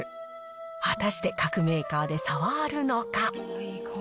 果たして、各メーカーで差はあるのか。